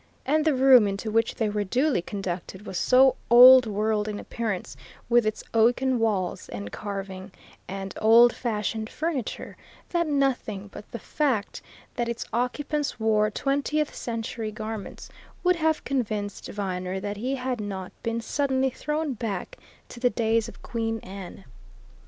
And the room into which they were duly conducted was so old world in appearance with its oaken walls and carving and old fashioned furniture that nothing but the fact that its occupants wore twentieth century garments would have convinced Viner that he had not been suddenly thrown back to the days of Queen Anne.